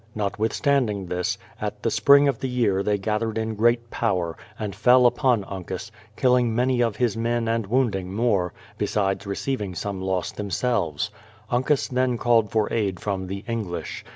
Notwithstanding this, at the spring of the year they gathered in great power, and fell S28 BRADFORD'S HISTORY OF upon Uncas, killing many of his men and wounding more, besides receiving some loss themselves. Uncas then called for aid from the English.